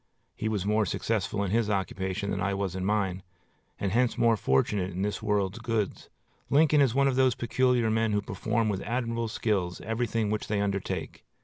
He was more successful in his occupation than I was in mine, and hence more fortunate in this world's goods. Lincoln is one of those peculiar men who perform with admirable skill everything which they undertake.